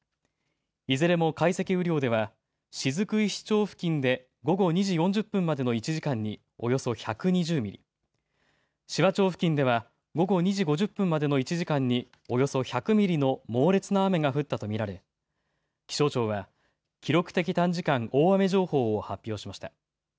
いずれも解析雨量では雫石町付近で午後２時４０分までの１時間におよそ１２０ミリ、紫波町付近では午後２時５０分までの１時間におよそ１００ミリの猛烈な雨が降ったと見られ気象庁は記録的短時間大雨情報を発表しました。